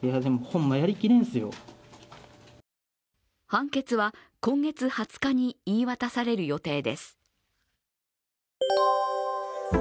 判決は今月２０日に言い渡される予定です。